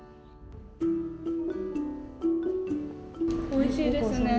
おいしいですね。